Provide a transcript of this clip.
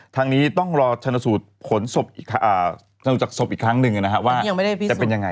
ทางนี้ต้องรอชนสูตรขนศพอีกครั้งนึงนะครับว่าจะเป็นยังไง